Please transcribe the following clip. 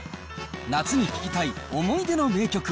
夏に聴きたい思い出の名曲